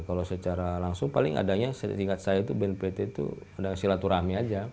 kalau secara langsung paling adanya setingkat saya itu bnpt itu sedang silaturahmi aja